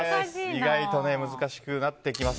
意外と難しくなってきます。